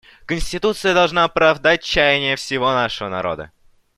Конституция должна оправдать чаяния всего нашего народа.